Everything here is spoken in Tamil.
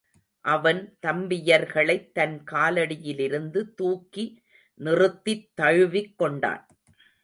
அவன் தம்பியர்களைத் தன் காலடியிலிருந்து தூக்கி நிறுத்தித் தழுவிக் கொண்டான்.